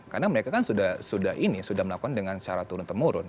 karena mereka kan sudah melakukan dengan cara turun temurun